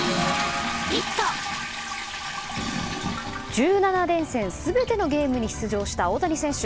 １７連戦全てのゲームに出場した大谷選手。